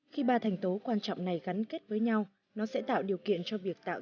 khi ba thành tố quan trọng này gắn kết với nhau nó sẽ tạo điều kiện cho việc tạo